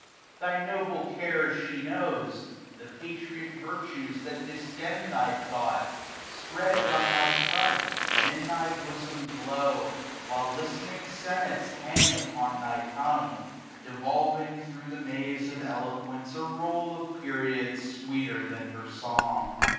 Thy noble cares she knows. The patriot virtues that distend thy thought, Spread on thy front, and in thy bosom glow. While listening senates hang upon thy tongue; 15 Devolving thro* the maze of eloquence A roll of periods, sweeter than her song.